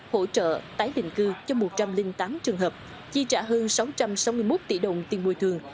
hỗ trợ tái định cư cho một trăm linh tám trường hợp chi trả hơn sáu trăm sáu mươi một tỷ đồng tiền bồi thường